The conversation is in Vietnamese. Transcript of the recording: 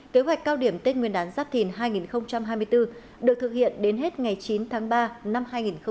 kế hoạch cao điểm tết nguyên đán giáp thìn hai nghìn hai mươi bốn được thực hiện đến hết ngày chín tháng ba năm hai nghìn hai mươi bốn